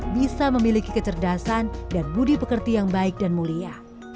bisa memiliki kecerdasan dan budi pekerti yang baik dan mulia